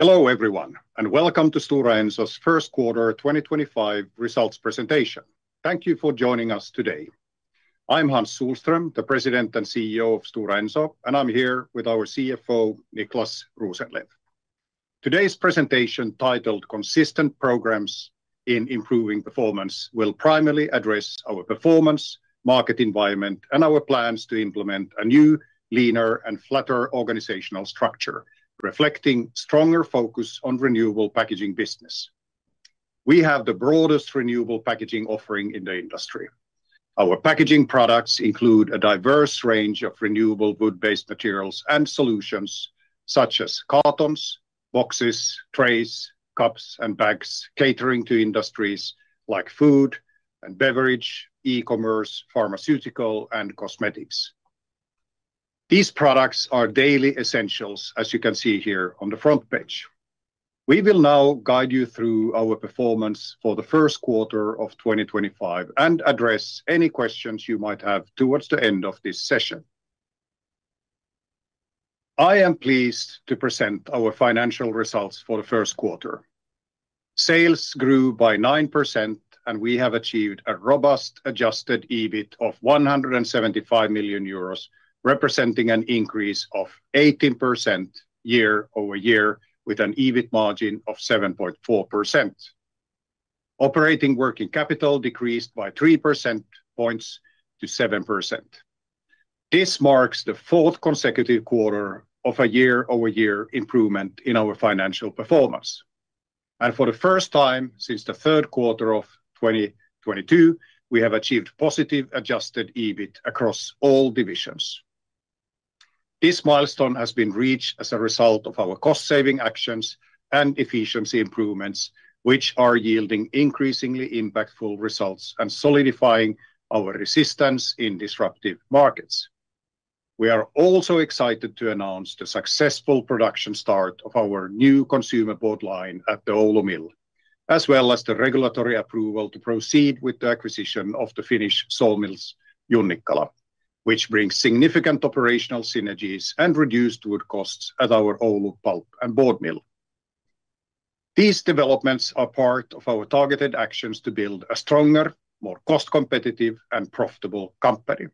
Hello everyone, and welcome to Stora Enso's first quarter 2025 results presentation. Thank you for joining us today. I'm Hans Sohlström, the President and CEO of Stora Enso, and I'm here with our CFO, Niclas Rosenlew. Today's presentation, titled "Consistent Progress in Improving Performance," will primarily address our performance, market environment, and our plans to implement a new, leaner, and flatter organizational structure, reflecting a stronger focus on renewable packaging business. We have the broadest renewable packaging offering in the industry. Our packaging products include a diverse range of renewable wood-based materials and solutions, such as cartons, boxes, trays, cups, and bags catering to industries like food and beverage, e-commerce, pharmaceutical, and cosmetics. These products are daily essentials, as you can see here on the front page. We will now guide you through our performance for the first quarter of 2025 and address any questions you might have towards the end of this session. I am pleased to present our financial results for the first quarter. Sales grew by 9%, and we have achieved a robust adjusted EBIT of 175 million euros, representing an increase of 18% year-over-year, with an EBIT margin of 7.4%. Operating working capital decreased by 3 percentage points to 7%. This marks the fourth consecutive quarter of a year-over-year improvement in our financial performance. For the first time since the third quarter of 2022, we have achieved positive adjusted EBIT across all divisions. This milestone has been reached as a result of our cost-saving actions and efficiency improvements, which are yielding increasingly impactful results and solidifying our resistance in disruptive markets. We are also excited to announce the successful production start of our new consumer board line at the Oulu mill, as well as the regulatory approval to proceed with the acquisition of the Finnish sawmills, Junnikkala, which brings significant operational synergies and reduced wood costs at our Oulu pulp and board mill. These developments are part of our targeted actions to build a stronger, more cost-competitive, and profitable company.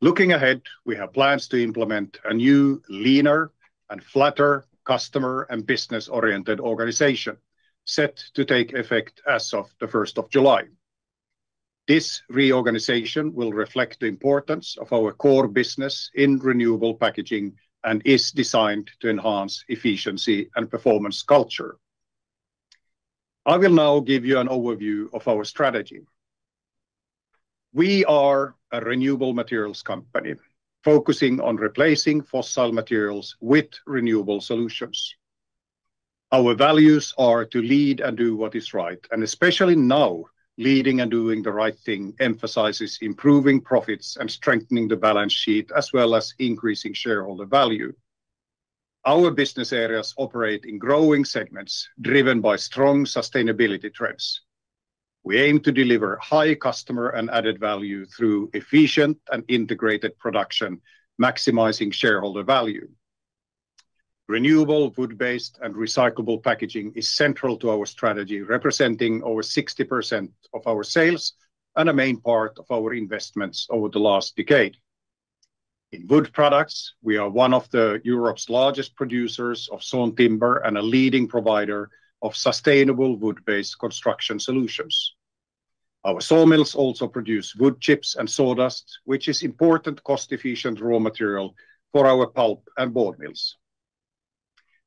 Looking ahead, we have plans to implement a new, leaner, and flatter customer and business-oriented organization, set to take effect as of the 1st of July. This reorganization will reflect the importance of our core business in renewable packaging and is designed to enhance efficiency and performance culture. I will now give you an overview of our strategy. We are a renewable materials company focusing on replacing fossil materials with renewable solutions. Our values are to lead and do what is right, and especially now, leading and doing the right thing emphasizes improving profits and strengthening the balance sheet, as well as increasing shareholder value. Our business areas operate in growing segments driven by strong sustainability trends. We aim to deliver high customer and added value through efficient and integrated production, maximizing shareholder value. Renewable wood-based and recyclable packaging is central to our strategy, representing over 60% of our sales and a main part of our investments over the last decade. In wood products, we are one of Europe's largest producers of sawn timber and a leading provider of sustainable wood-based construction solutions. Our sawmills also produce wood chips and sawdust, which is important cost-efficient raw material for our pulp and board mills.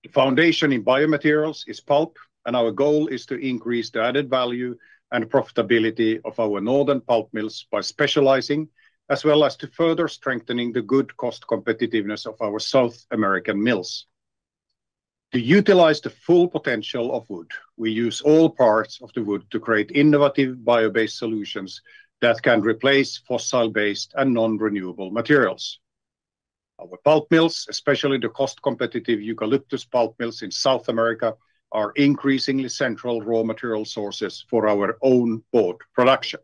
The foundation in biomaterials is pulp, and our goal is to increase the added value and profitability of our northern pulp mills by specializing, as well as to further strengthening the good cost competitiveness of our South American mills. To utilize the full potential of wood, we use all parts of the wood to create innovative bio-based solutions that can replace fossil-based and non-renewable materials. Our pulp mills, especially the cost-competitive eucalyptus pulp mills in South America, are increasingly central raw material sources for our own board production.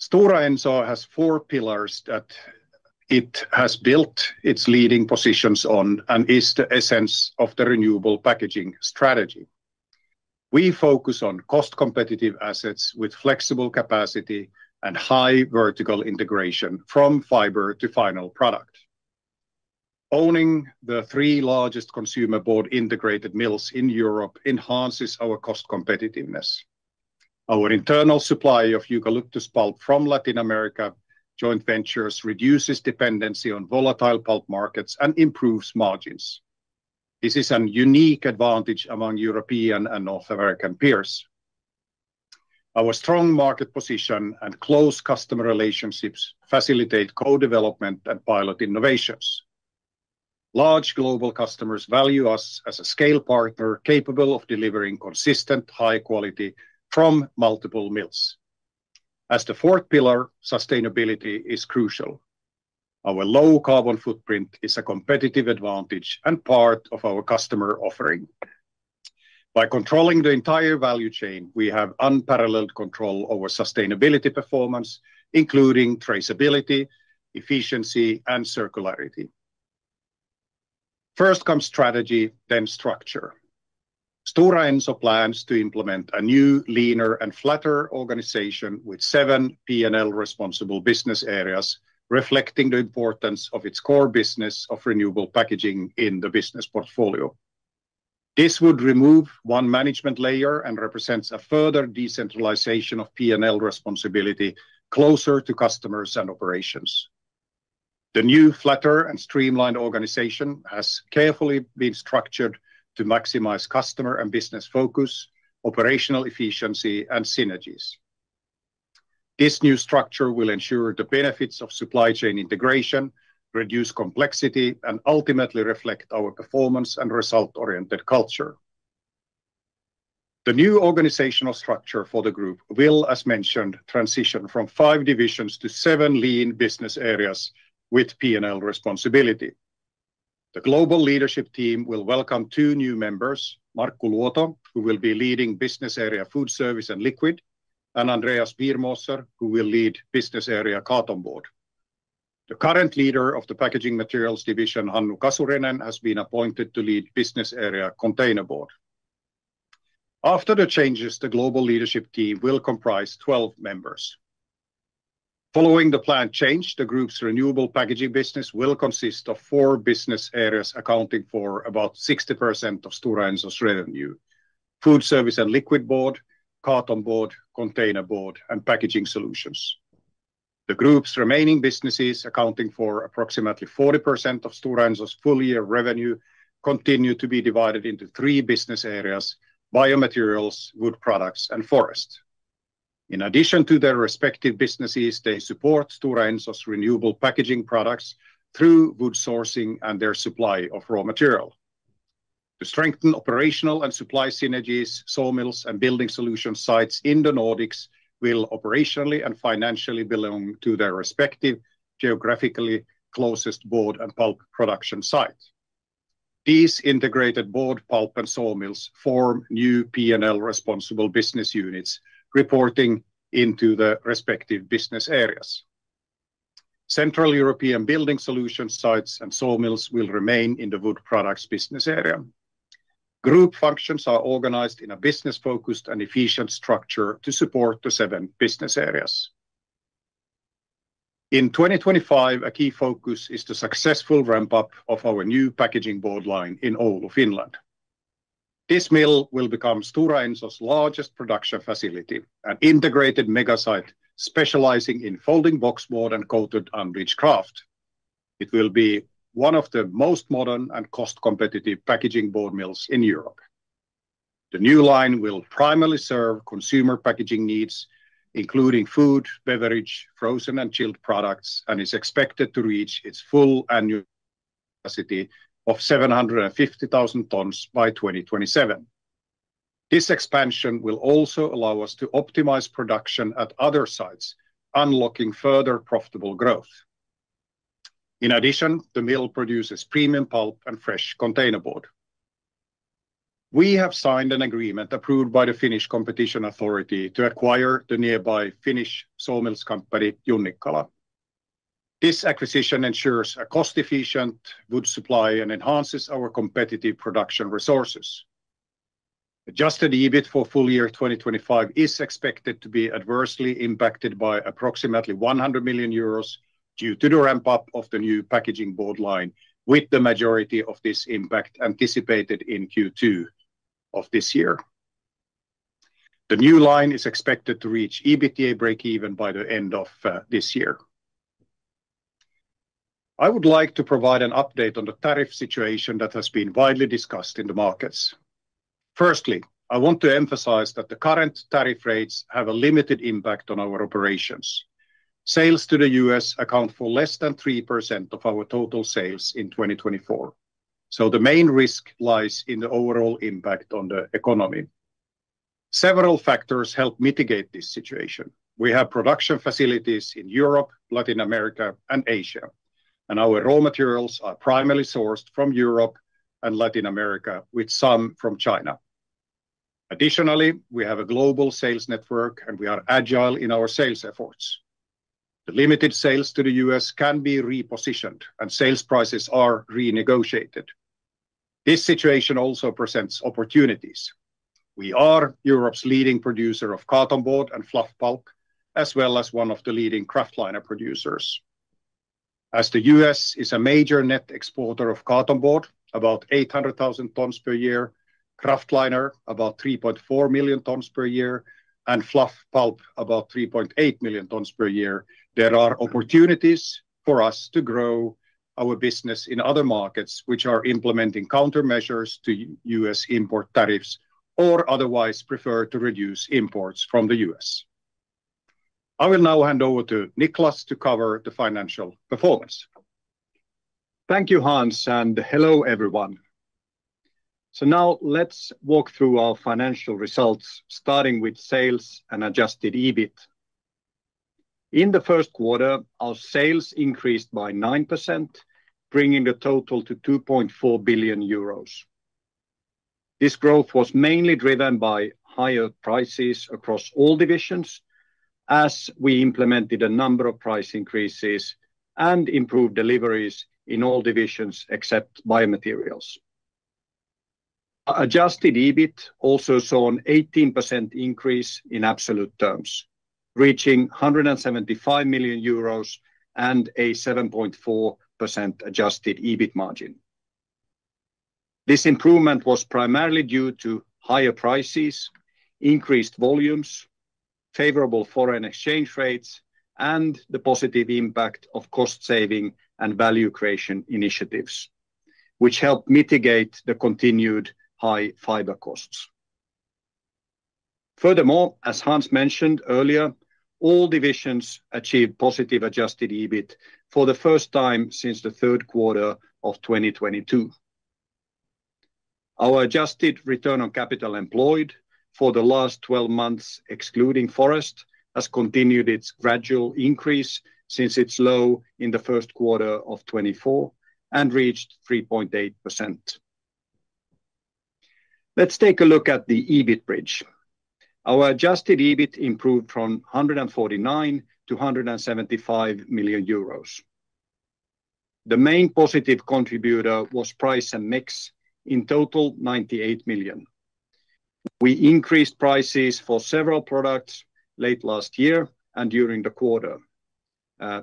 Stora Enso has four pillars that it has built its leading positions on and is the essence of the renewable packaging strategy. We focus on cost-competitive assets with flexible capacity and high vertical integration from fiber to final product. Owning the three largest consumer board integrated mills in Europe enhances our cost competitiveness. Our internal supply of eucalyptus pulp from Latin America joint ventures reduces dependency on volatile pulp markets and improves margins. This is a unique advantage among European and North American peers. Our strong market position and close customer relationships facilitate co-development and pilot innovations. Large global customers value us as a scale partner capable of delivering consistent high quality from multiple mills. As the fourth pillar, sustainability is crucial. Our low carbon footprint is a competitive advantage and part of our customer offering. By controlling the entire value chain, we have unparalleled control over sustainability performance, including traceability, efficiency, and circularity. First comes strategy, then structure. Stora Enso plans to implement a new, leaner, and flatter organization with seven P&L responsible business areas, reflecting the importance of its core business of renewable packaging in the business portfolio. This would remove one management layer and represents a further decentralization of P&L responsibility closer to customers and operations. The new flatter and streamlined organization has carefully been structured to maximize customer and business focus, operational efficiency, and synergies. This new structure will ensure the benefits of supply chain integration, reduce complexity, and ultimately reflect our performance and result-oriented culture. The new organizational structure for the group will, as mentioned, transition from five divisions to seven lean business areas with P&L responsibility. The global leadership team will welcome two new members, Markku Luoto, who will be leading Business Area Food Service and Liquid, and Andreas Birmoser, who will lead Business Area Cartonboard. The current leader of the packaging materials division, Hannu Kasurinen, has been appointed to lead Business Area Containerboard. After the changes, the global leadership team will comprise 12 members. Following the planned change, the group's renewable packaging business will consist of four business areas accounting for about 60% of Stora Enso's revenue: food service and liquid board, cartonboard, containerboard, and packaging solutions. The group's remaining businesses accounting for approximately 40% of Stora Enso's full year revenue continue to be divided into three business areas: biomaterials, wood products, and forest. In addition to their respective businesses, they support Stora Enso's renewable packaging products through wood sourcing and their supply of raw material. To strengthen operational and supply synergies, sawmills and building solution sites in the Nordics will operationally and financially belong to their respective geographically closest board and pulp production sites. These integrated board pulp and sawmills form new P&L responsible business units reporting into the respective business areas. Central European building solution sites and sawmills will remain in the wood products business area. Group functions are organized in a business-focused and efficient structure to support the seven business areas. In 2025, a key focus is the successful ramp-up of our new packaging board line in Oulu, Finland. This mill will become Stora Enso's largest production facility, an integrated mega-site specializing in folding boxboard and coated unbleached kraft. It will be one of the most modern and cost-competitive packaging board mills in Europe. The new line will primarily serve consumer packaging needs, including food, beverage, frozen and chilled products, and is expected to reach its full annual capacity of 750,000 tons by 2027. This expansion will also allow us to optimize production at other sites, unlocking further profitable growth. In addition, the mill produces premium pulp and fresh containerboard. We have signed an agreement approved by the Finnish Competition Authority to acquire the nearby Finnish sawmills company, Junnikkala. This acquisition ensures a cost-efficient wood supply and enhances our competitive production resources. Adjusted EBIT for full year 2025 is expected to be adversely impacted by approximately 100 million euros due to the ramp-up of the new packaging board line, with the majority of this impact anticipated in Q2 of this year. The new line is expected to reach EBITDA break-even by the end of this year. I would like to provide an update on the tariff situation that has been widely discussed in the markets. Firstly, I want to emphasize that the current tariff rates have a limited impact on our operations. Sales to the U.S. account for less than 3% of our total sales in 2024, so the main risk lies in the overall impact on the economy. Several factors help mitigate this situation. We have production facilities in Europe, Latin America, and Asia, and our raw materials are primarily sourced from Europe and Latin America, with some from China. Additionally, we have a global sales network, and we are agile in our sales efforts. The limited sales to the U.S. can be repositioned, and sales prices are renegotiated. This situation also presents opportunities. We are Europe's leading producer of cartonboard and fluff pulp, as well as one of the leading kraftliner producers. As the U.S. is a major net exporter of cartonboard, about 800,000 tons per year, kraftliner about 3.4 million tons per year, and fluff pulp about 3.8 million tons per year, there are opportunities for us to grow our business in other markets, which are implementing countermeasures to U.S. import tariffs or otherwise prefer to reduce imports from the U.S. I will now hand over to Niclas to cover the financial performance. Thank you, Hans, and hello everyone. Now let's walk through our financial results, starting with sales and adjusted EBIT. In the first quarter, our sales increased by 9%, bringing the total to 2.4 billion euros. This growth was mainly driven by higher prices across all divisions, as we implemented a number of price increases and improved deliveries in all divisions except biomaterials. Adjusted EBIT also saw an 18% increase in absolute terms, reaching 175 million euros and a 7.4% adjusted EBIT margin. This improvement was primarily due to higher prices, increased volumes, favorable foreign exchange rates, and the positive impact of cost-saving and value creation initiatives, which helped mitigate the continued high fiber costs. Furthermore, as Hans mentioned earlier, all divisions achieved positive adjusted EBIT for the first time since the third quarter of 2022. Our adjusted return on capital employed for the last 12 months, excluding forest, has continued its gradual increase since its low in the first quarter of 2024 and reached 3.8%. Let's take a look at the EBIT bridge. Our adjusted EBIT improved from 149 million to 175 million euros. The main positive contributor was price and mix in total 98 million. We increased prices for several products late last year and during the quarter.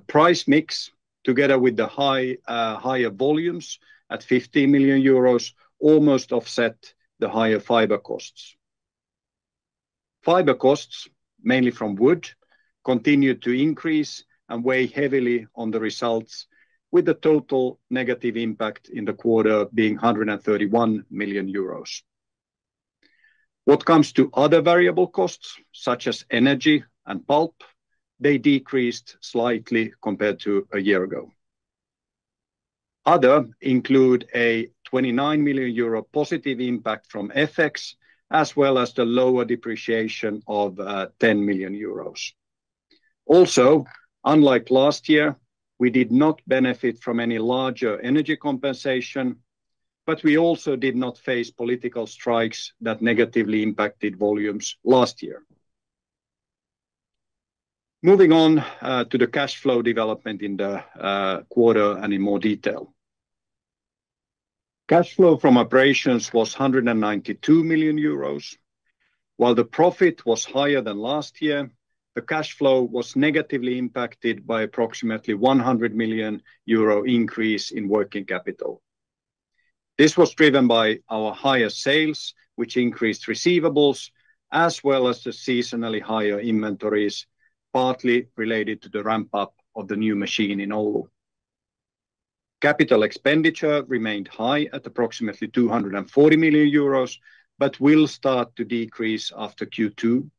Price mix, together with the higher volumes at 15 million euros, almost offset the higher fiber costs. Fiber costs, mainly from wood, continued to increase and weigh heavily on the results, with the total negative impact in the quarter being 131 million euros. What comes to other variable costs, such as energy and pulp, they decreased slightly compared to a year ago. Other include a 29 million euro positive impact from FX, as well as the lower depreciation of 10 million euros. Also, unlike last year, we did not benefit from any larger energy compensation, but we also did not face political strikes that negatively impacted volumes last year. Moving on to the cash flow development in the quarter and in more detail. Cash flow from operations was 192 million euros. While the profit was higher than last year, the cash flow was negatively impacted by approximately 100 million euro increase in working capital. This was driven by our higher sales, which increased receivables, as well as the seasonally higher inventories, partly related to the ramp-up of the new machine in Oulu. Capital expenditure remained high at approximately 240 million euros, but will start to decrease after Q2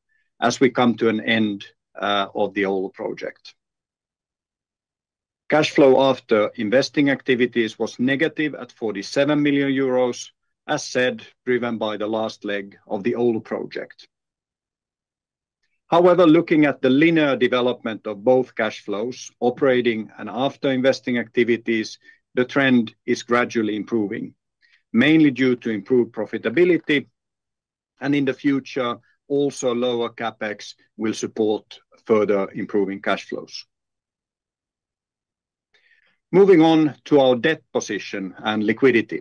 as we come to an end of the Oulu project. Cash flow after investing activities was negative at 47 million euros, as said, driven by the last leg of the Oulu project. However, looking at the linear development of both cash flows, operating and after investing activities, the trend is gradually improving, mainly due to improved profitability, and in the future, also lower CapEx will support further improving cash flows. Moving on to our debt position and liquidity.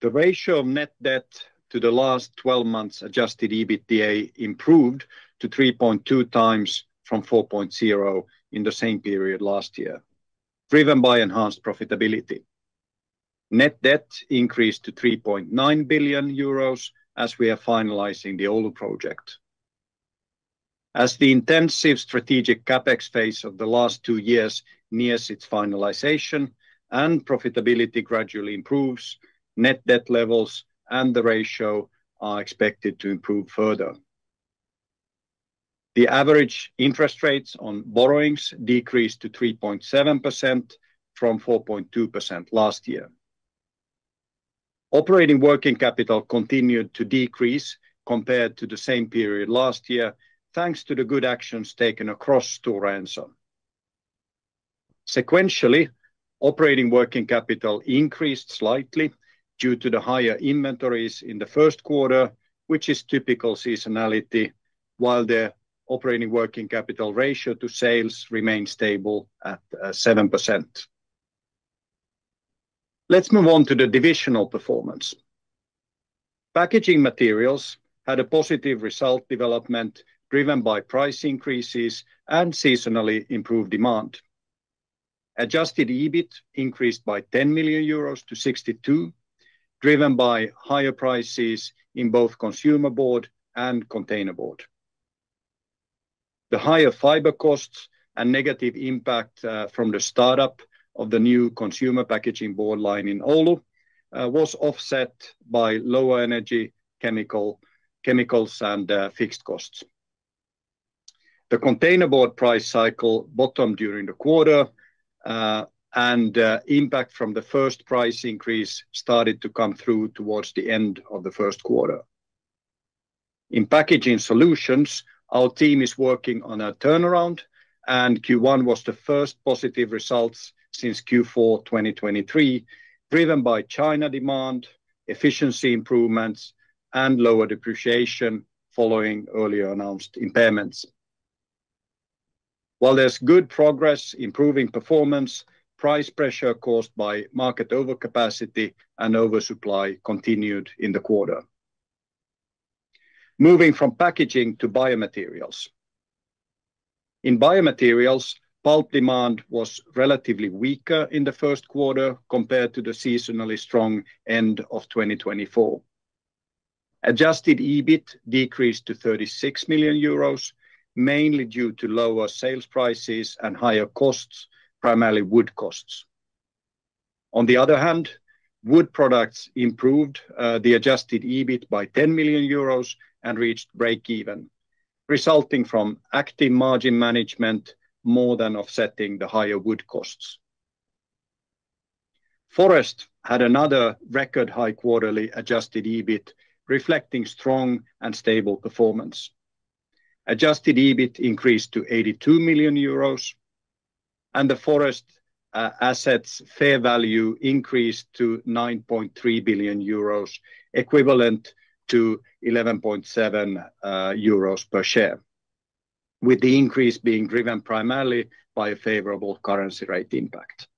The ratio of net debt to the last 12 months adjusted EBITDA improved to 3.2 times from 4.0 in the same period last year, driven by enhanced profitability. Net debt increased to 3.9 billion euros as we are finalizing the Oulu project. As the intensive strategic CapEx phase of the last two years nears its finalization and profitability gradually improves, net debt levels and the ratio are expected to improve further. The average interest rates on borrowings decreased to 3.7% from 4.2% last year. Operating working capital continued to decrease compared to the same period last year, thanks to the good actions taken across Stora Enso. Sequentially, operating working capital increased slightly due to the higher inventories in the first quarter, which is typical seasonality, while the operating working capital ratio to sales remained stable at 7%. Let's move on to the divisional performance. Packaging materials had a positive result development driven by price increases and seasonally improved demand. Adjusted EBIT increased by 10 million euros to 62, driven by higher prices in both consumer board and container board. The higher fiber costs and negative impact from the startup of the new consumer packaging board line in Oulu was offset by lower energy, chemicals, and fixed costs. The container board price cycle bottomed during the quarter, and impact from the first price increase started to come through towards the end of the first quarter. In packaging solutions, our team is working on a turnaround, and Q1 was the first positive results since Q4 2023, driven by China demand, efficiency improvements, and lower depreciation following earlier announced impairments. While there's good progress improving performance, price pressure caused by market overcapacity and oversupply continued in the quarter. Moving from packaging to biomaterials. In biomaterials, pulp demand was relatively weaker in the first quarter compared to the seasonally strong end of 2024. Adjusted EBIT decreased to 36 million euros, mainly due to lower sales prices and higher costs, primarily wood costs. On the other hand, wood products improved the adjusted EBIT by 10 million euros and reached break-even, resulting from active margin management more than offsetting the higher wood costs. Forest had another record high quarterly adjusted EBIT, reflecting strong and stable performance. Adjusted EBIT increased to 82 million euros, and the forest assets fair value increased to 9.3 billion euros, equivalent to 11.7 euros per share, with the increase being driven primarily by a favorable currency rate impact.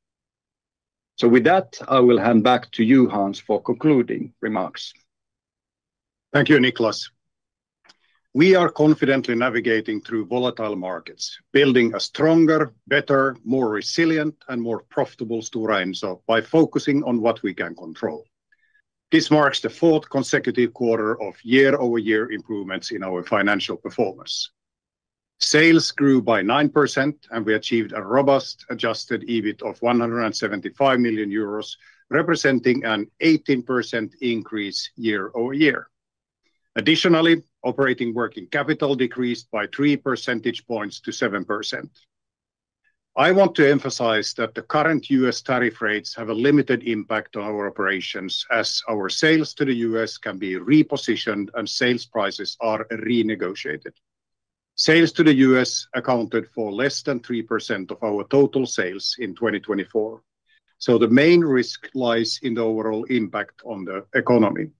With that, I will hand back to you, Hans, for concluding remarks. Thank you, Niclas. We are confidently navigating through volatile markets, building a stronger, better, more resilient, and more profitable Stora Enso by focusing on what we can control. This marks the fourth consecutive quarter of year-over-year improvements in our financial performance. Sales grew by 9%, and we achieved a robust adjusted EBIT of 175 million euros, representing an 18% increase year-over-year. Additionally, operating working capital decreased by 3 percentage points to 7%. I want to emphasize that the current U.S. tariff rates have a limited impact on our operations, as our sales to the U.S. can be repositioned and sales prices are renegotiated. Sales to the U.S. accounted for less than 3% of our total sales in 2024, so the main risk lies in the overall impact on the economy.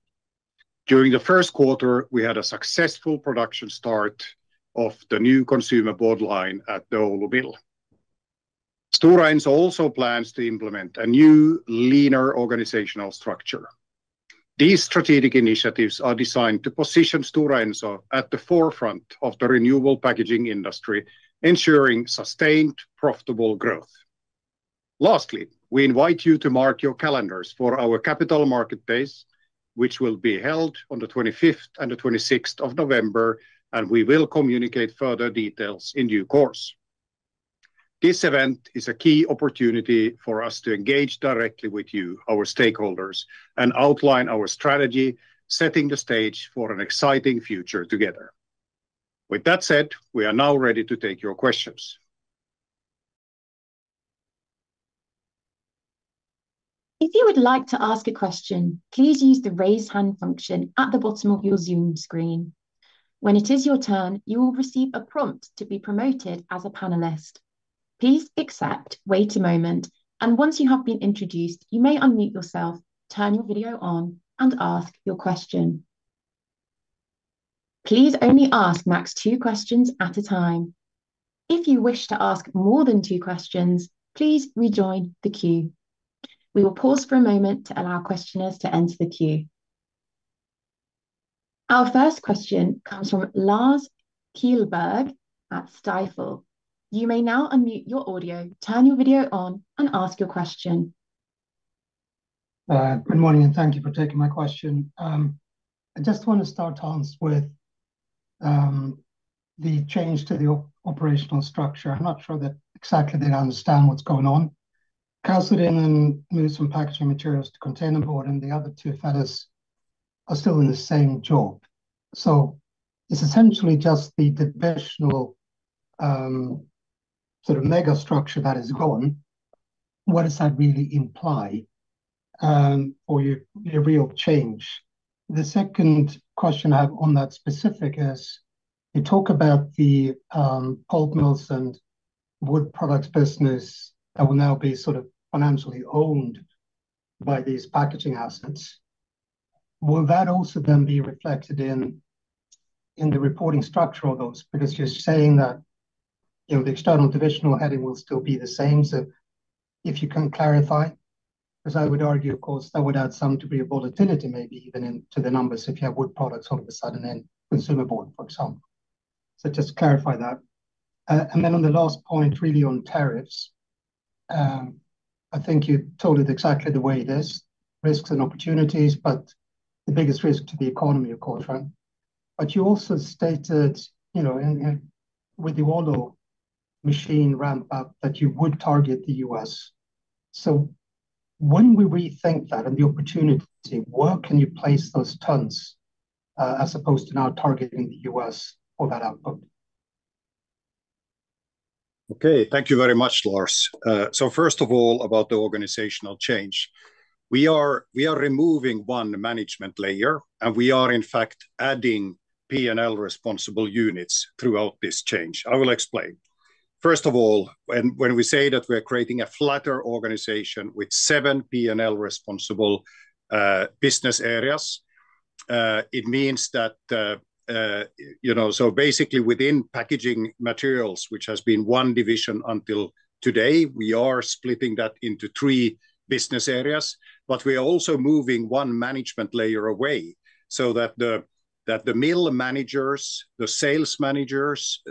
During the first quarter, we had a successful production start of the new consumer board line at the Oulu mill. Stora Enso also plans to implement a new, leaner organizational structure. These strategic initiatives are designed to position Stora Enso at the forefront of the renewable packaging industry, ensuring sustained profitable growth. Lastly, we invite you to mark your calendars for our Capital Markets Days, which will be held on the 25th and the 26th of November, and we will communicate further details in due course. This event is a key opportunity for us to engage directly with you, our stakeholders, and outline our strategy, setting the stage for an exciting future together. With that said, we are now ready to take your questions. If you would like to ask a question, please use the raise hand function at the bottom of your Zoom screen. When it is your turn, you will receive a prompt to be promoted as a panelist. Please accept, wait a moment, and once you have been introduced, you may unmute yourself, turn your video on, and ask your question. Please only ask max two questions at a time. If you wish to ask more than two questions, please rejoin the queue. We will pause for a moment to allow questioners to enter the queue. Our first question comes from Lars F. Kjellberg at Stifel. You may now unmute your audio, turn your video on, and ask your question. Good morning and thank you for taking my question. I just want to start, Hans, with the change to the operational structure. I'm not sure that exactly they understand what's going on. Kasurinen, moved from Packaging Materials, Container Board, and the other two sellers are still in the same job. So it's essentially just the divisional sort of mega structure that is gone. What does that really imply for your real change? The second question I have on that specific is you talk about the pulp mills and wood products business that will now be sort of financially owned by these packaging assets. Will that also then be reflected in the reporting structure of those? Because you're saying that the external divisional heading will still be the same. If you can clarify, because I would argue, of course, that would add some degree of volatility, maybe even into the numbers if you have wood products all of a sudden in consumer board, for example. Just clarify that. On the last point, really on tariffs, I think you told it exactly the way it is, risks and opportunities, but the biggest risk to the economy, of course, right? You also stated with the Oulu machine ramp-up that you would target the US. When we rethink that and the opportunity, where can you place those tons as opposed to now targeting the US for that output? Thank you very much, Lars. First of all, about the organizational change. We are removing one management layer, and we are in fact adding P&L responsible units throughout this change. I will explain. First of all, when we say that we are creating a flatter organization with seven P&L responsible business areas, it means that, so basically within packaging materials, which has been one division until today, we are splitting that into three business areas, but we are also moving one management layer away so that the mill managers, the sales managers,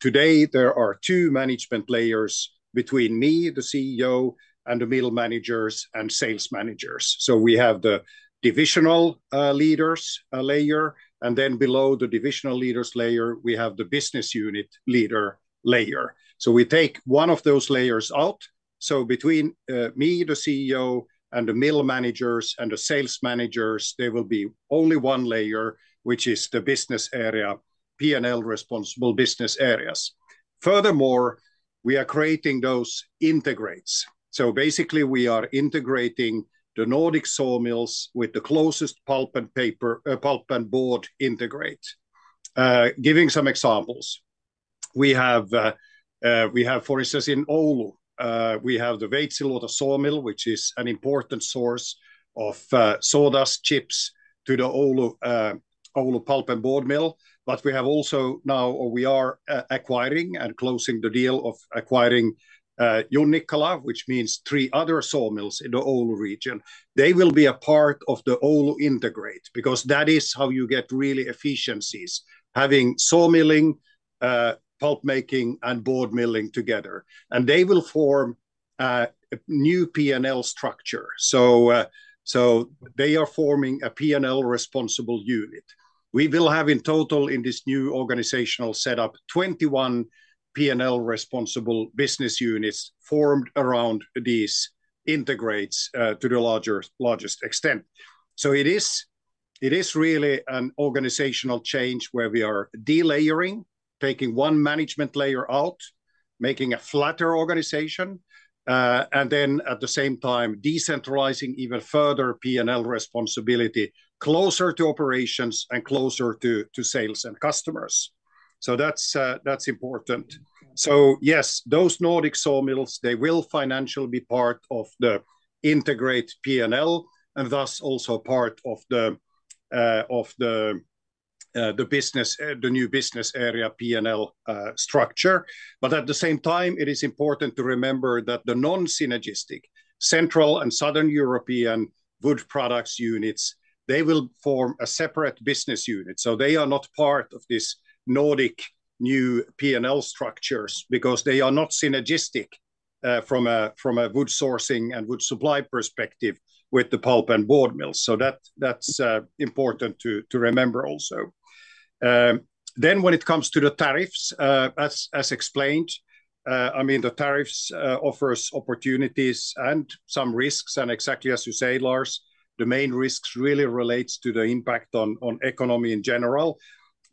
today there are two management layers between me, the CEO, and the mill managers and sales managers. We have the divisional leaders layer, and then below the divisional leaders layer, we have the business unit leader layer. We take one of those layers out. Between me, the CEO, and the mill managers and the sales managers, there will be only one layer, which is the business area, P&L responsible business areas. Furthermore, we are creating those integrates. Basically, we are integrating the Nordic sawmills with the closest pulp and paper, pulp and board integrate. Giving some examples, we have, for instance, in Oulu, we have the Veitsiluoto sawmill, which is an important source of sawdust chips to the Oulu pulp and board mill. We have also now, or we are acquiring and closing the deal of acquiring Junnikkala, which means three other sawmills in the Oulu region. They will be a part of the Oulu integrate because that is how you get really efficiencies, having sawmilling, pulp making, and board milling together. They will form a new P&L structure. They are forming a P&L responsible unit. We will have in total in this new organizational setup, 21 P&L responsible business units formed around these integrates to the largest extent. It is really an organizational change where we are delayering, taking one management layer out, making a flatter organization, and then at the same time, decentralizing even further P&L responsibility closer to operations and closer to sales and customers. That's important. Yes, those Nordic sawmills, they will financially be part of the integrate P&L and thus also part of the business, the new business area P&L structure. At the same time, it is important to remember that the non-synergistic central and southern European wood products units, they will form a separate business unit. They are not part of this Nordic new P&L structure because they are not synergistic from a wood sourcing and wood supply perspective with the pulp and board mills. That's important to remember also. When it comes to the tariffs, as explained, I mean, the tariffs offer opportunities and some risks. Exactly as you say, Lars, the main risks really relate to the impact on the economy in general.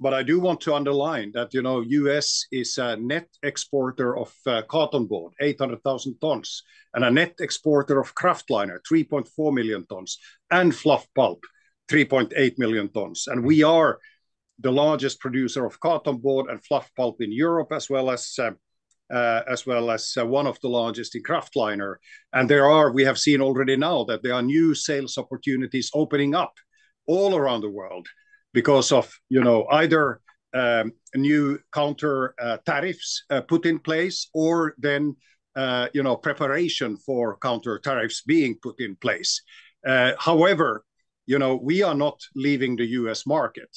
I do want to underline that the U.S. is a net exporter of cartonboard, 800,000 tons, and a net exporter of kraftliner, 3.4 million tons, and fluff pulp, 3.8 million tons. We are the largest producer of cartonboard and fluff pulp in Europe, as well as one of the largest in kraftliner. We have seen already now that there are new sales opportunities opening up all around the world because of either new counter tariffs put in place or preparation for counter tariffs being put in place. However, we are not leaving the U.S. market.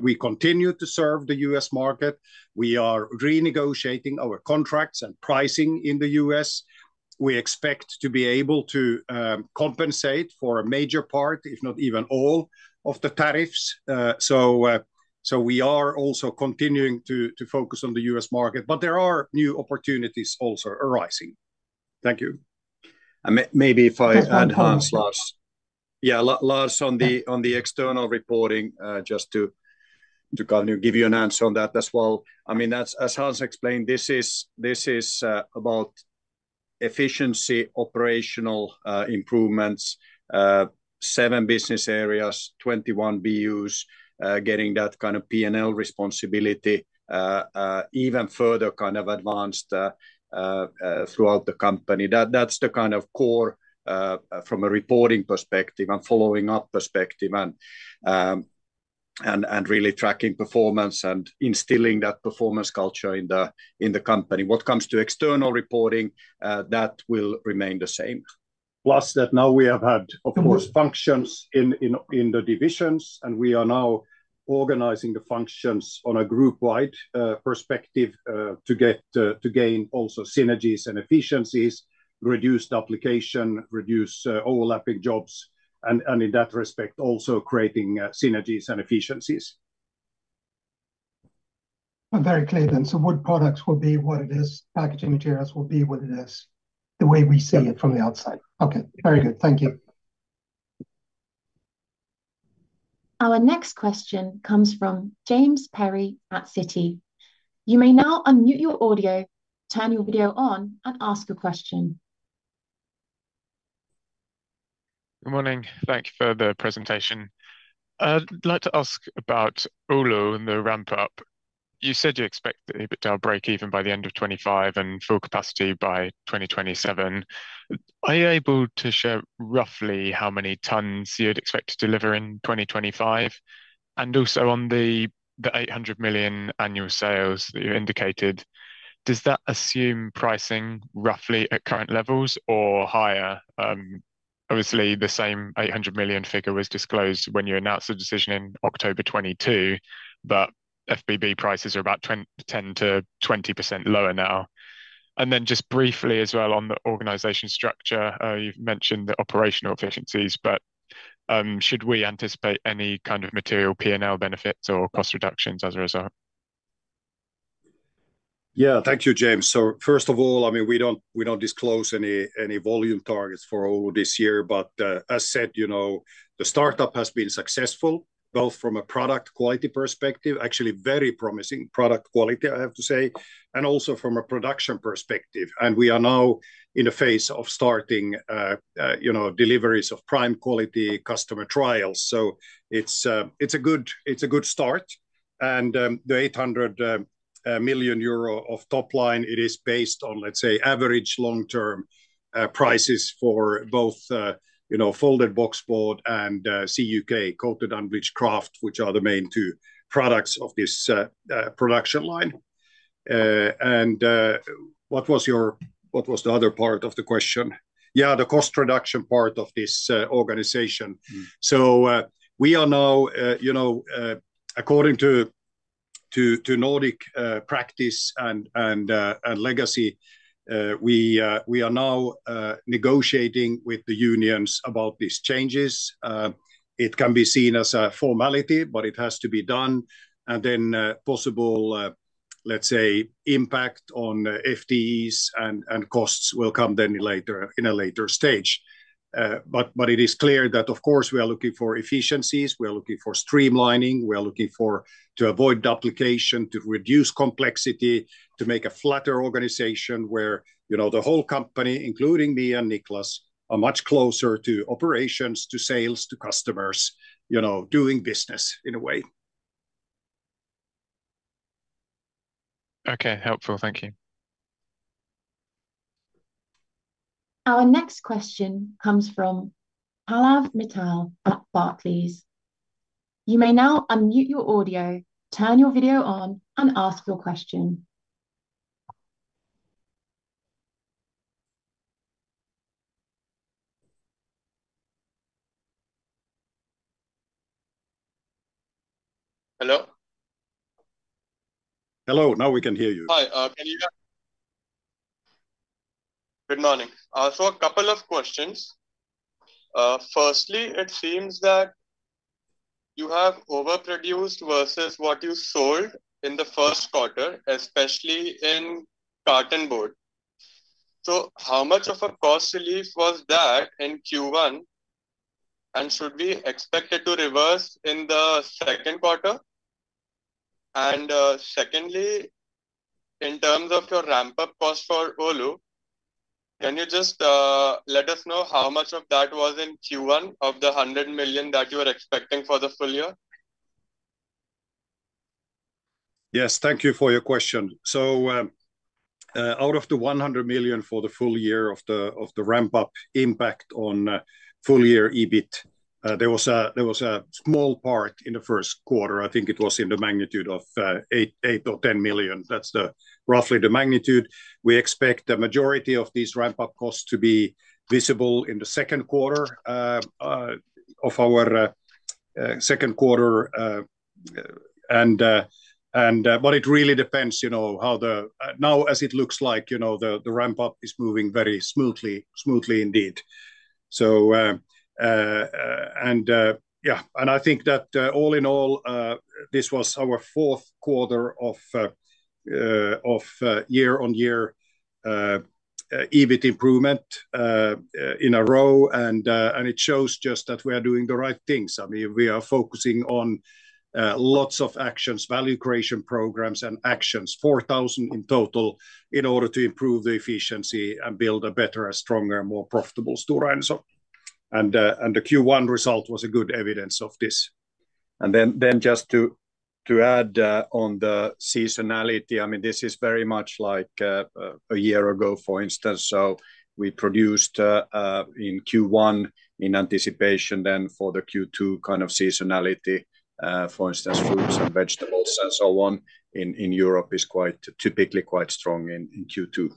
We continue to serve the U.S. market. We are renegotiating our contracts and pricing in the U.S. We expect to be able to compensate for a major part, if not even all, of the tariffs. We are also continuing to focus on the U.S. market, but there are new opportunities also arising. Thank you. Maybe if I add, Hans, Lars—yeah, Lars on the external reporting, just to kind of give you an answer on that as well. I mean, as Hans explained, this is about efficiency, operational improvements, seven business areas, 21 BUs, getting that kind of P&L responsibility even further kind of advanced throughout the company. That is the kind of core from a reporting perspective and following up perspective and really tracking performance and instilling that performance culture in the company. What comes to external reporting, that will remain the same. Plus that now we have had, of course, functions in the divisions, and we are now organizing the functions on a group-wide perspective to gain also synergies and efficiencies, reduce duplication, reduce overlapping jobs, and in that respect, also creating synergies and efficiencies. Very clear then. Wood products will be what it is. Packaging materials will be what it is. The way we see it from the outside. Okay. Very good. Thank you. Our next question comes from James Perry at Citi. You may now unmute your audio, turn your video on, and ask a question. Good morning. Thank you for the presentation. I'd like to ask about Oulu and the ramp-up. You said you expect the break even by the end of 2025 and full capacity by 2027. Are you able to share roughly how many tons you'd expect to deliver in 2025? Also, on the 800 million annual sales that you indicated, does that assume pricing roughly at current levels or higher? Obviously, the same 800 million figure was disclosed when you announced the decision in October 2022, but FBB prices are about 10%-20% lower now. Just briefly as well on the organization structure, you've mentioned the operational efficiencies, but should we anticipate any kind of material P&L benefits or cost reductions as a result? Yeah, thank you, James. First of all, I mean, we don't disclose any volume targets for Oulu this year, but as said, the startup has been successful both from a product quality perspective, actually very promising product quality, I have to say, and also from a production perspective. We are now in the phase of starting deliveries of prime quality customer trials. It's a good start. The 800 million euro of top line is based on, let's say, average long-term prices for both folding box board and CUK, coated unbleached kraft, which are the main two products of this production line. What was the other part of the question? Yeah, the cost reduction part of this organization. We are now, according to Nordic practice and legacy, negotiating with the unions about these changes. It can be seen as a formality, but it has to be done. Possible, let's say, impact on FTEs and costs will come in a later stage. It is clear that, of course, we are looking for efficiencies. We are looking for streamlining. We are looking to avoid duplication, to reduce complexity, to make a flatter organization where the whole company, including me and Niclas, are much closer to operations, to sales, to customers, doing business in a way. Okay, helpful. Thank you. Our next question comes from Pallav Mittal at Barclays. You may now unmute your audio, turn your video on, and ask your question. Hello? Hello. Now we can hear you. Hi. Can you hear me? Good morning. A couple of questions. Firstly, it seems that you have overproduced versus what you sold in the first quarter, especially in cartonboard. How much of a cost relief was that in Q1, and should we expect it to reverse in the second quarter? Secondly, in terms of your ramp-up cost for Oulu, can you just let us know how much of that was in Q1 of the 100 million that you were expecting for the full year? Yes, thank you for your question. Out of the 100 million for the full year of the ramp-up impact on full year EBIT, there was a small part in the first quarter. I think it was in the magnitude of 8 million or 10 million. That is roughly the magnitude. We expect the majority of these ramp-up costs to be visible in the second quarter. It really depends how the, now, as it looks like, the ramp-up is moving very smoothly, smoothly indeed. Yeah, I think that all in all, this was our fourth quarter of year-on-year EBIT improvement in a row, and it shows just that we are doing the right things. I mean, we are focusing on lots of actions, value creation programs and actions, 4,000 in total in order to improve the efficiency and build a better, stronger, more profitable store. The Q1 result was good evidence of this. Just to add on the seasonality, I mean, this is very much like a year ago, for instance. We produced in Q1 in anticipation then for the Q2 kind of seasonality, for instance, fruits and vegetables and so on in Europe is quite typically quite strong in Q2.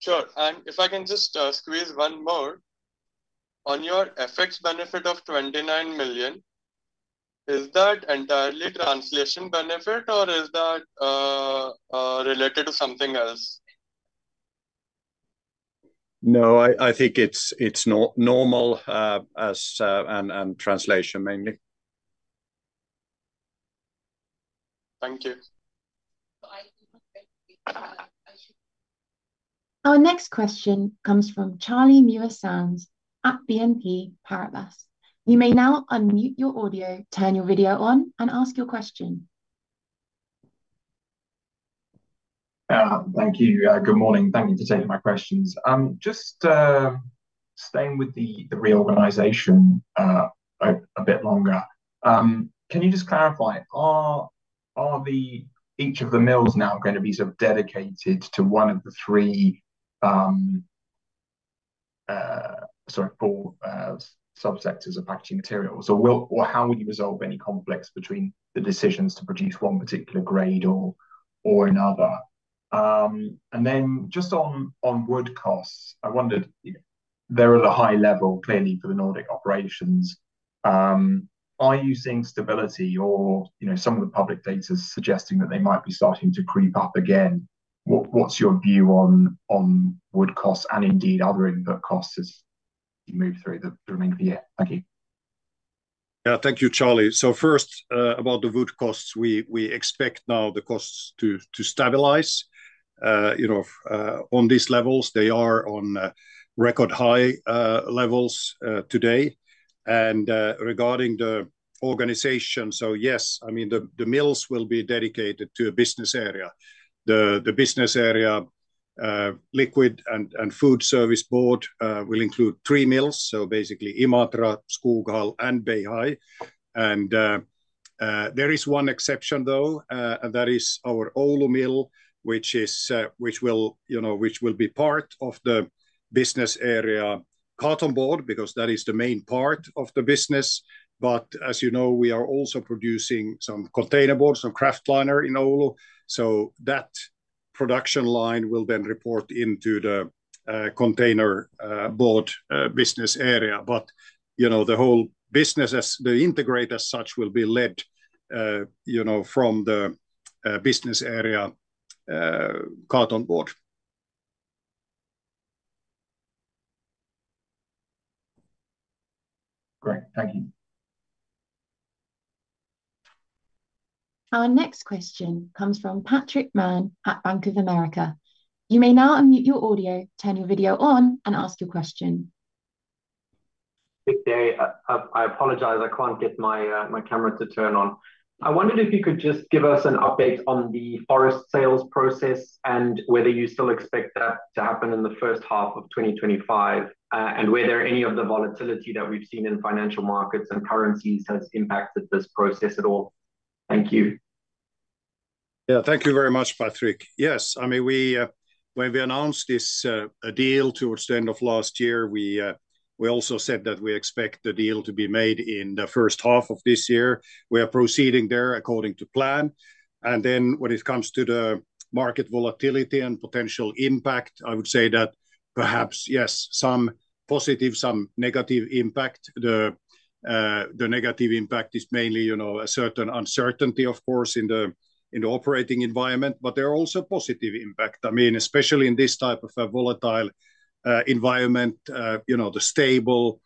Sure. If I can just squeeze one more, on your FX benefit of 29 million, is that entirely translation benefit or is that related to something else? No, I think it's normal and translation mainly. Thank you. Our next question comes from Charlie Muir-Sands at BNP Paribas Exane. You may now unmute your audio, turn your video on, and ask your question. Thank you. Good morning. Thank you for taking my questions. Just staying with the reorganization a bit longer, can you just clarify, are each of the mills now going to be sort of dedicated to one of the three, sorry, four subsectors of packaging materials? How will you resolve any conflicts between the decisions to produce one particular grade or another? Just on wood costs, I wondered, they're at a high level clearly for the Nordic operations. Are you seeing stability or some of the public data suggesting that they might be starting to creep up again? What's your view on wood costs and indeed other input costs as you move through the remaining of the year? Thank you. Yeah, thank you, Charlie. First, about the wood costs, we expect now the costs to stabilize on these levels. They are on record high levels today. Regarding the organization, yes, I mean, the mills will be dedicated to a business area. The business area, liquid and food service board, will include three mills, basically Imatra, Skoghall, and Beihai. There is one exception though, and that is our Oulu mill, which will be part of the business area cartonboard because that is the main part of the business. As you know, we are also producing some container board, some Kraftliner in Oulu. That production line will then report into the container board business area. The whole business, the integrator as such, will be led from the business area cartonboard. Great. Thank you. Our next question comes from Patrick Mann at Bank of America. You may now unmute your audio, turn your video on, and ask your question. Big day. I apologize. I can't get my camera to turn on. I wondered if you could just give us an update on the forest sales process and whether you still expect that to happen in the first half of 2025, and whether any of the volatility that we've seen in financial markets and currencies has impacted this process at all. Thank you. Yeah, thank you very much, Patrick. Yes, I mean, when we announced this deal towards the end of last year, we also said that we expect the deal to be made in the first half of this year. We are proceeding there according to plan. When it comes to the market volatility and potential impact, I would say that perhaps, yes, some positive, some negative impact. The negative impact is mainly a certain uncertainty, of course, in the operating environment, but there are also positive impacts. I mean, especially in this type of a volatile environment, the stable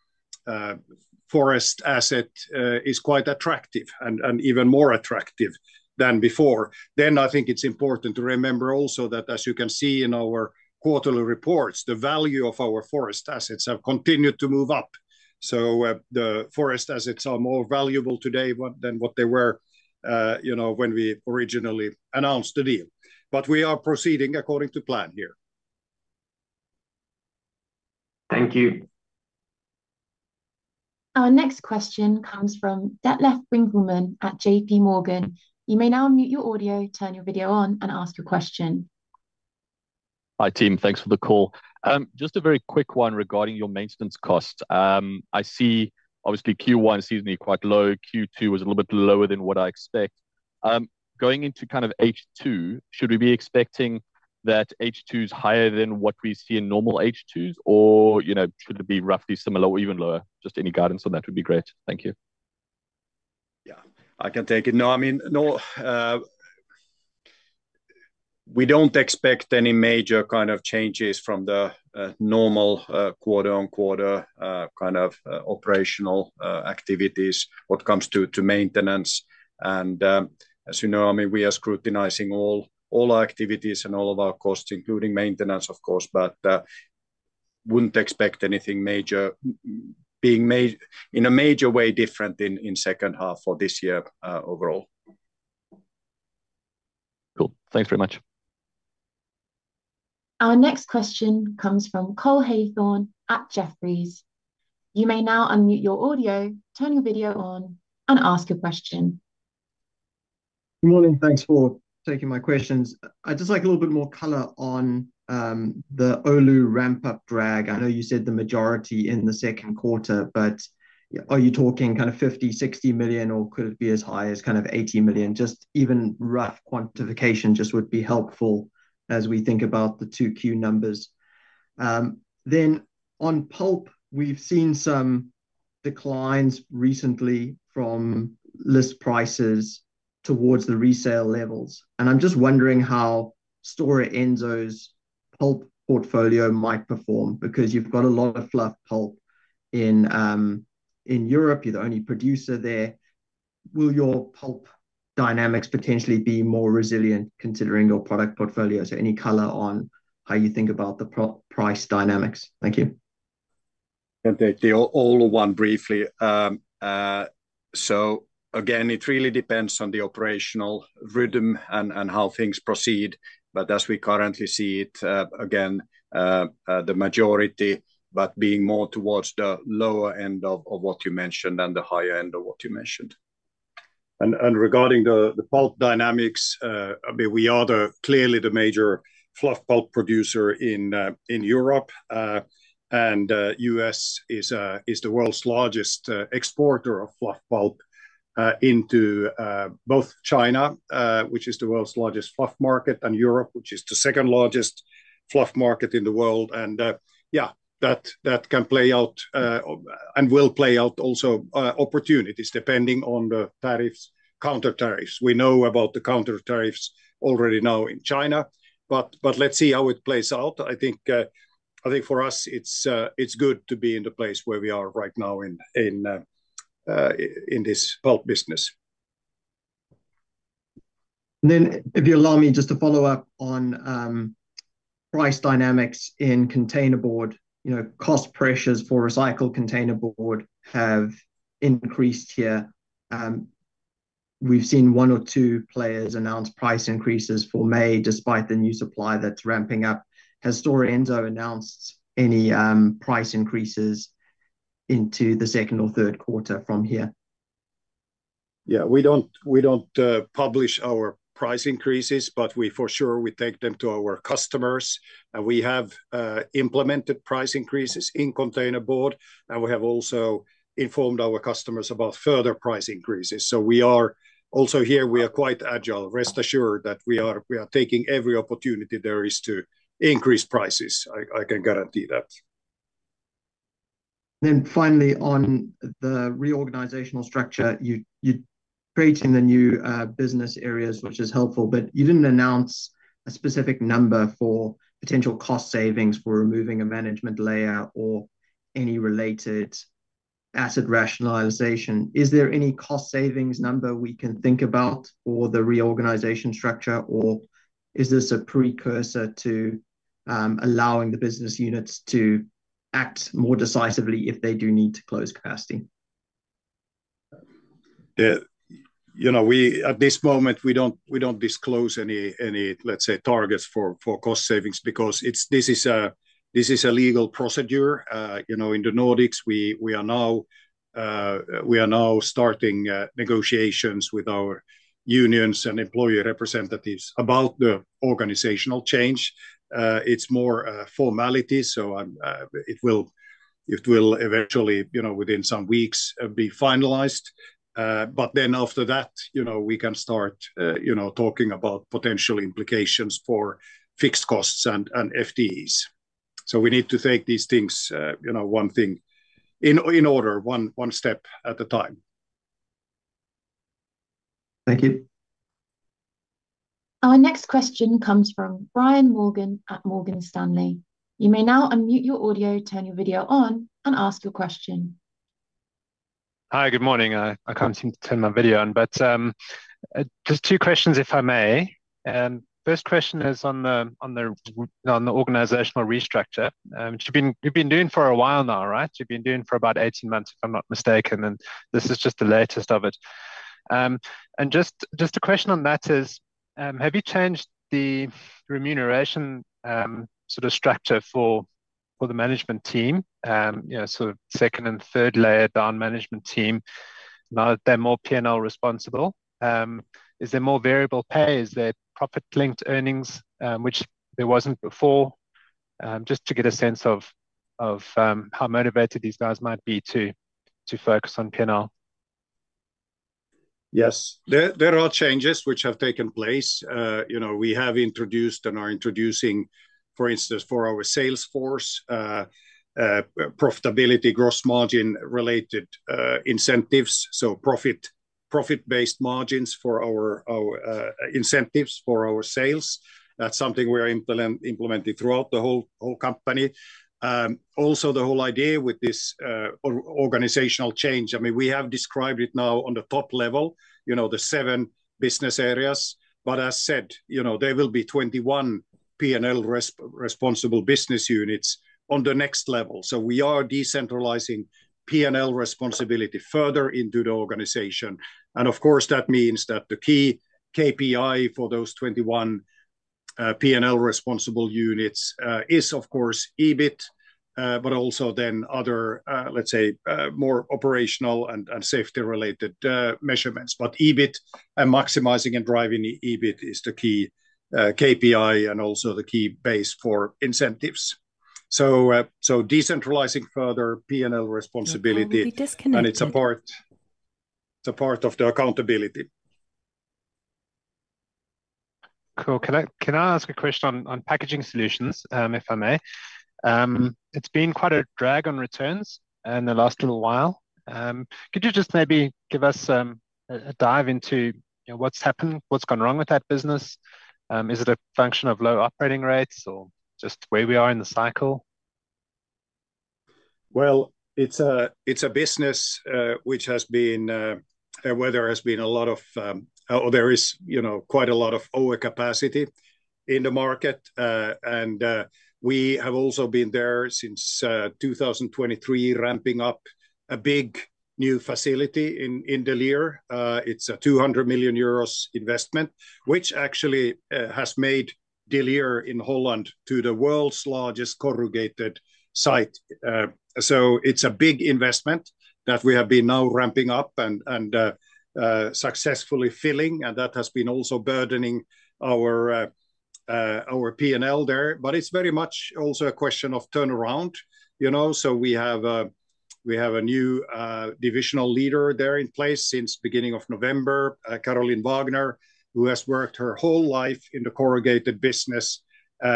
forest asset is quite attractive and even more attractive than before. I think it's important to remember also that, as you can see in our quarterly reports, the value of our forest assets have continued to move up. The forest assets are more valuable today than what they were when we originally announced the deal. We are proceeding according to plan here. Thank you. Our next question comes from Detlef Winckelmann at JPMorgan Chase & Co. You may now unmute your audio, turn your video on, and ask your question. Hi, team. Thanks for the call. Just a very quick one regarding your maintenance costs. I see obviously Q1 seems to be quite low. Q2 was a little bit lower than what I expect. Going into kind of H2, should we be expecting that H2 is higher than what we see in normal H2s, or should it be roughly similar or even lower? Just any guidance on that would be great. Thank you. Yeah, I can take it. No, I mean, we don't expect any major kind of changes from the normal quarter-on-quarter kind of operational activities when it comes to maintenance. As you know, I mean, we are scrutinizing all our activities and all of our costs, including maintenance, of course, but wouldn't expect anything major in a major way different in the second half of this year overall. Cool. Thanks very much. Our next question comes from Cole Hathorn at Jefferies. You may now unmute your audio, turn your video on, and ask your question. Good morning. Thanks for taking my questions. I'd just like a little bit more color on the Oulu ramp-up drag. I know you said the majority in the second quarter, but are you talking kind of 50-60 million, or could it be as high as kind of 80 million? Just even rough quantification just would be helpful as we think about the two Q numbers. Then on pulp, we've seen some declines recently from list prices towards the resale levels. I'm just wondering how Stora Enso's pulp portfolio might perform because you've got a lot of fluff pulp in Europe. You're the only producer there. Will your pulp dynamics potentially be more resilient considering your product portfolio? Any color on how you think about the price dynamics? Thank you. Can take the all in one briefly. It really depends on the operational rhythm and how things proceed. As we currently see it, the majority, but being more towards the lower end of what you mentioned than the higher end of what you mentioned. Regarding the pulp dynamics, I mean, we are clearly the major fluff pulp producer in Europe. The U.S. is the world's largest exporter of fluff pulp into both China, which is the world's largest fluff market, and Europe, which is the second largest fluff market in the world. That can play out and will play out also opportunities depending on the tariffs, counter tariffs. We know about the counter tariffs already now in China. Let's see how it plays out. I think for us, it's good to be in the place where we are right now in this pulp business. If you allow me just to follow up on price dynamics in container board, cost pressures for recycled container board have increased here. We've seen one or two players announce price increases for May despite the new supply that's ramping up. Has Stora Enso announced any price increases into the second or third quarter from here? Yeah, we don't publish our price increases, but we for sure take them to our customers. We have implemented price increases in container board. We have also informed our customers about further price increases. Here, we are quite agile. Rest assured that we are taking every opportunity there is to increase prices. I can guarantee that. Finally, on the reorganizational structure, you're creating the new business areas, which is helpful, but you didn't announce a specific number for potential cost savings for removing a management layout or any related asset rationalization. Is there any cost savings number we can think about for the reorganization structure, or is this a precursor to allowing the business units to act more decisively if they do need to close capacity? At this moment, we don't disclose any, let's say, targets for cost savings because this is a legal procedure. In the Nordics, we are now starting negotiations with our unions and employee representatives about the organizational change. It's more formality, so it will eventually, within some weeks, be finalized. After that, we can start talking about potential implications for fixed costs and FTEs. We need to take these things, one thing in order, one step at a time. Thank you. Our next question comes from Brian Morgan at Morgan Stanley. You may now unmute your audio, turn your video on, and ask your question. Hi, good morning. I can't seem to turn my video on, but just two questions if I may. First question is on the organizational restructure. You've been doing for a while now, right? You've been doing for about 18 months, if I'm not mistaken, and this is just the latest of it. Just a question on that is, have you changed the remuneration sort of structure for the management team, sort of second and third layer down management team? Now they're more P&L responsible. Is there more variable pay? Is there profit-linked earnings, which there wasn't before? Just to get a sense of how motivated these guys might be to focus on P&L. Yes, there are changes which have taken place. We have introduced and are introducing, for instance, for our sales force, profitability, gross margin-related incentives. Profit-based margins for our incentives for our sales. That's something we are implementing throughout the whole company. Also, the whole idea with this organizational change, I mean, we have described it now on the top level, the seven business areas. As said, there will be 21 P&L responsible business units on the next level. We are decentralizing P&L responsibility further into the organization. Of course, that means that the key KPI for those 21 P&L responsible units is, of course, EBIT, but also then other, let's say, more operational and safety-related measurements. EBIT and maximizing and driving EBIT is the key KPI and also the key base for incentives. Decentralizing further P&L responsibility is a part of the accountability. Cool. Can I ask a question on packaging solutions, if I may? It's been quite a drag on returns in the last little while. Could you just maybe give us a dive into what's happened? What's gone wrong with that business? Is it a function of low operating rates or just where we are in the cycle? It is a business which has been, where there has been a lot of, or there is quite a lot of overcapacity in the market. We have also been there since 2023, ramping up a big new facility in De Lier. It is a 200 million euros investment, which actually has made De Lier in Holland the world's largest corrugated site. It is a big investment that we have been now ramping up and successfully filling. That has been also burdening our P&L there. It is very much also a question of turnaround. We have a new Divisional Leader there in place since the beginning of November, Carolyn Wagner, who has worked her whole life in the corrugated business,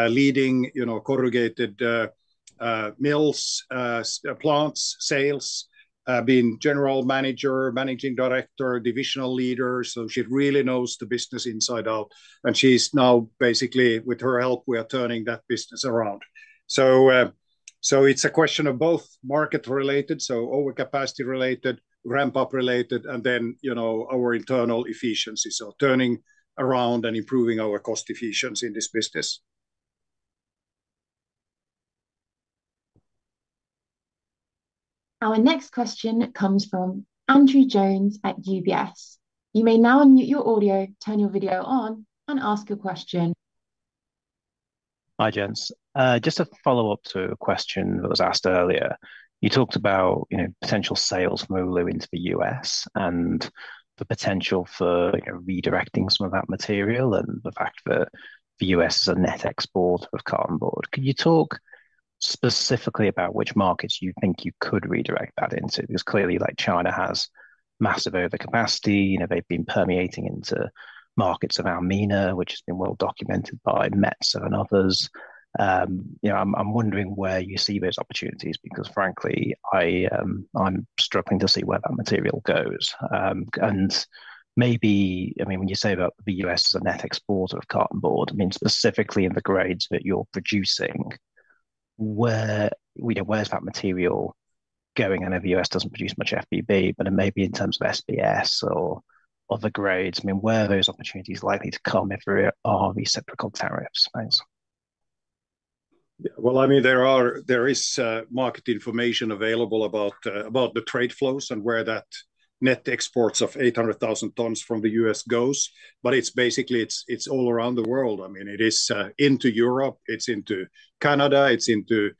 leading corrugated mills, plants, sales, being General Manager, Managing Director, Divisional Leader. She really knows the business inside out. She is now basically, with her help, we are turning that business around. It is a question of both market-related, overcapacity-related, ramp-up-related, and then our internal efficiency. Turning around and improving our cost efficiency in this business. Our next question comes from Andrew Jones at UBS. You may now unmute your audio, turn your video on, and ask your question. Hi, Hans. Just a follow-up to a question that was asked earlier. You talked about potential sales from Oulu into the U.S. and the potential for redirecting some of that material and the fact that the U.S. is a net export of cartonboard. Could you talk specifically about which markets you think you could redirect that into? Because clearly, China has massive overcapacity. They have been permeating into markets around MENA, which has been well documented by Metso and others. I'm wondering where you see those opportunities because, frankly, I'm struggling to see where that material goes. And maybe, I mean, when you say that the U.S. is a net exporter of cartonboard, I mean, specifically in the grades that you're producing, where's that material going? I know the U.S. doesn't produce much FBB, but it may be in terms of SBS or other grades. I mean, where are those opportunities likely to come if there are reciprocal tariffs? Thanks. Yeah. Well, I mean, there is market information available about the trade flows and where that net exports of 800,000 tons from the U.S. goes. But basically, it's all around the world. I mean, it is into Europe. It's into Canada. It's into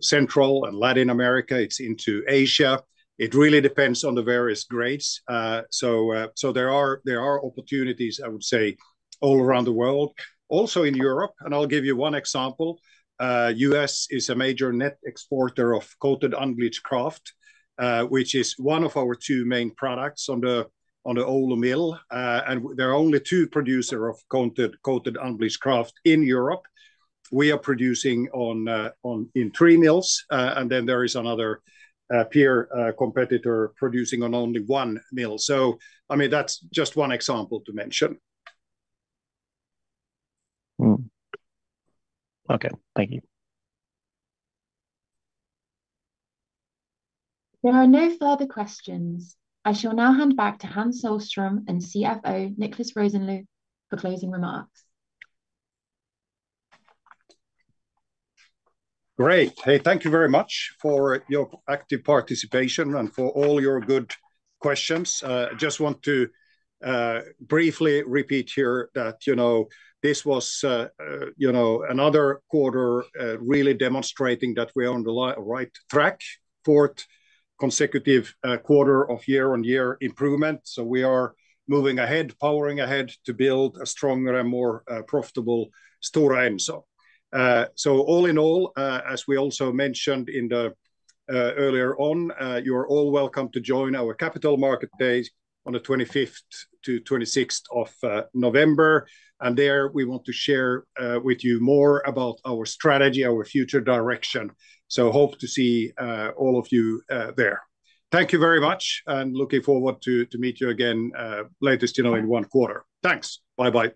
Central and Latin America. It's into Asia. It really depends on the various grades. So there are opportunities, I would say, all around the world. Also in Europe, and I'll give you one example. The U.S. is a major net exporter of coated unbleached kraft, which is one of our two main products on the Oulu mill. There are only two producers of coated unbleached kraft in Europe. We are producing in three mills. Then there is another peer competitor producing on only one mill. I mean, that's just one example to mention. Okay. Thank you. There are no further questions. I shall now hand back to Hans Sohlström and CFO Niclas Rosenlew for closing remarks. Great. Hey, thank you very much for your active participation and for all your good questions. I just want to briefly repeat here that this was another quarter really demonstrating that we are on the right track for consecutive quarter-of-year-on-year improvement. We are moving ahead, powering ahead to build a stronger and more profitable Stora Enso. All in all, as we also mentioned earlier on, you're all welcome to join our Capital Markets Day on the 25th to 26th of November. There, we want to share with you more about our strategy, our future direction. Hope to see all of you there. Thank you very much. Looking forward to meet you again latest in one quarter. Thanks. Bye-bye.